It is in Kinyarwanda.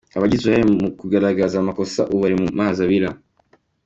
Abagize uruhare mu kugaragaza amakosa ubu bari mu mazi abira!